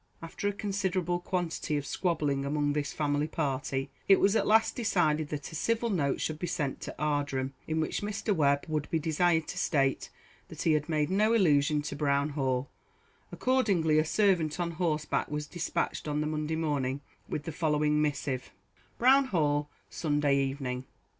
After a considerable quantity of squabbling among this family party it was at last decided that a civil note should be sent to Ardrum, in which Mr. Webb should be desired to state that he had made no allusion to Brown Hall; accordingly a servant on horseback was dispatched on the Monday morning with the following missive: Brown Hall, Sunday Evening.